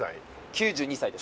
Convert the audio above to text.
９２歳です。